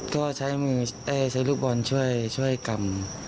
ก็ใช้มือใช้ลูกบอลช่วยกำ